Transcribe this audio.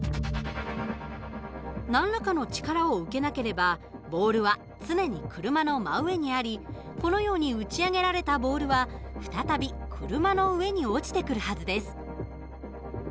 何らかの力を受けなければボールは常に車の真上にありこのように打ち上げられたボールは再び車の上に落ちてくるはずです。